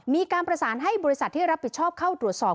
มีการประสานให้บริษัทที่รับผิดชอบเข้าตรวจสอบ